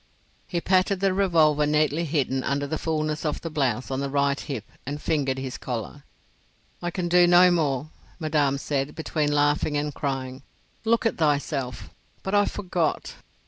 He patted the revolver neatly hidden under the fulness of the blouse on the right hip and fingered his collar. "I can do no more," Madame said, between laughing and crying. "Look at thyself—but I forgot."